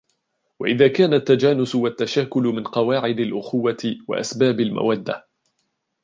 وَإِذَا كَانَ التَّجَانُسُ وَالتَّشَاكُلُ مِنْ قَوَاعِدِ الْأُخُوَّةِ وَأَسْبَابِ الْمَوَدَّةِ